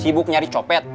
sibuk nyari copet